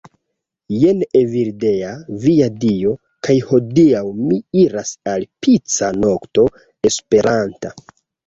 Jen Evildea. Via Dio. kaj hodiaŭ mi iras al pica nokto esperanta